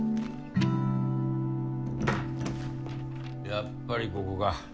やっぱりここか。